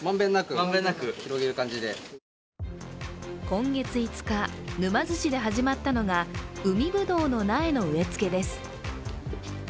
今月５日、沼津市で始まったのが海ぶどうの苗の植え付けです。